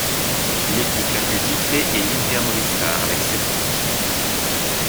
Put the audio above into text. L'équipe la plus titrée est l'Inter Movistar avec sept titres.